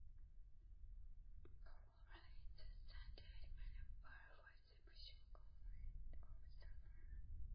Culford lies in the Saint Edmundsbury borough of the shire county of Suffolk.